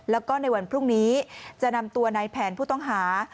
แล้วก็ในวันพรุ่งนี้จะนำตัวในแผนผู้ต้องหา